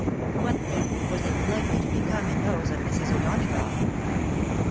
What, then, was it hkely to become in those of Mrs. O'Donagough?